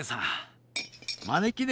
まねきね